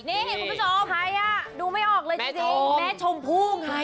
เน่คุณผู้ชมดูไม่ออกเลยจริงแม้ชมพูมไง